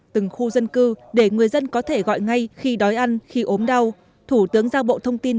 từng khu dân cư để người dân có thể gọi ngay khi đói ăn khi ốm đau thủ tướng giao bộ thông tin